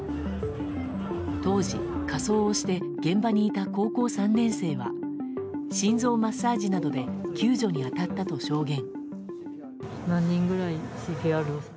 当時、仮装をして現場にいた高校３年生は心臓マッサージなどで救助に当たったと証言。